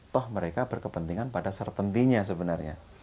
toh mereka berkepentingan pada certainty nya sebenarnya